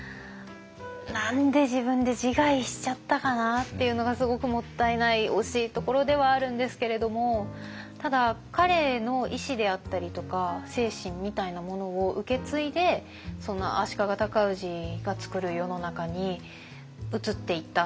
何で自分で自害しちゃったかなっていうのがすごくもったいない惜しいところではあるんですけれどもただ彼の意思であったりとか精神みたいなものを受け継いでその足利尊氏が作る世の中に移っていった。